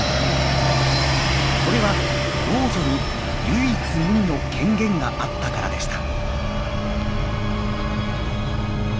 それは老女に唯一無二の権限があったからでした。